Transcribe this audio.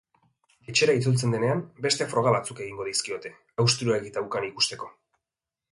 Etxera itzultzen denean, beste froga batzuk egingo dizkiote, hausturarik daukan ikusteko.